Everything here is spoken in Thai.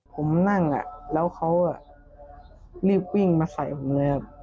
ผมนั่งแล้วเขารีบวิ่งมาใส่ผมเลยครับ